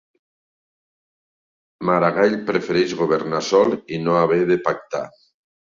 Maragall prefereix governar sol i no haver de pactar